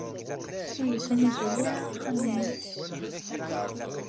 Ur yesnuzuy ara axxam-nnes.